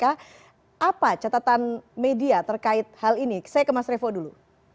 apa catatan media terkait hal ini saya ke mas revo dulu